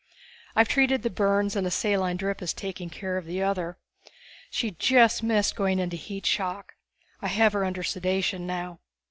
I've treated the burns, and a saline drip is taking care of the other. She just missed going into heat shock. I have her under sedation now."